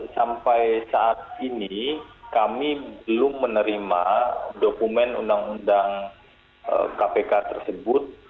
sampai saat ini kami belum menerima dokumen undang undang kpk tersebut